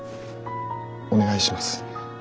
お願いします。